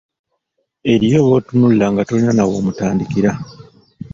Eriyo b'otunuulira nga tolina naw'omutandikira.